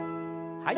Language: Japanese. はい。